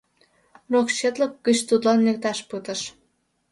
Рок четлык гыч тудлан лекташ пытыш.